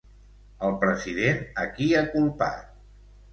El president a qui ha culpat?